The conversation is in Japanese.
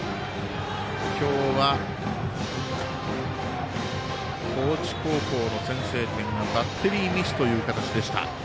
今日は、高知高校の先制点がバッテリーミスという形でした。